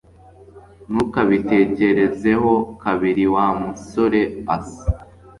Ntukabitekerezeho kabiri, Wa musoreasi